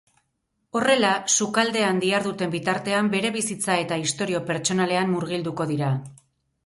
Horrela, sukaldean diharduten bitartean, bere bizitza eta istorio pertsonalean murgilduko dira.